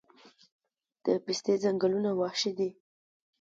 د پستې ځنګلونه وحشي دي؟